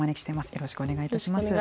よろしくお願いします。